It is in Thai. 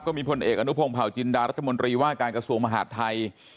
มีพลเอกอนุพงศาวจินดารัฐมนตรีว่าการกระทรวงมหาดไทย